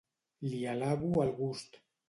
Li alabo el gust.